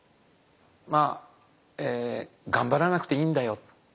まあがんばらなくていいんだよ。